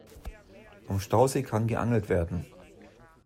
Am Stausee kann geangelt werden.